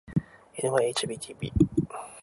ｎｙｈｂｔｂ